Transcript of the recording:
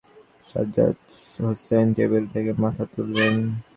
Sajjad Hossain table থেকে মাথা তুললেন।